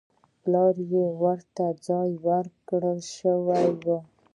پلان کې ورته ځای ورکړل شوی و.